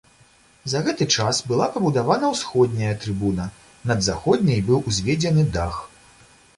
За гэты час была пабудавана ўсходняя трыбуна, над заходняй быў узведзены дах.